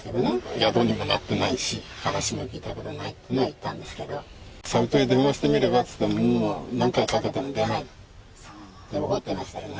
宿にもなってないし、話も聞いたことないとは言ったんですけど、サイトに電話してみればって言っても、もう、何回かけても出ないって怒ってましたよね。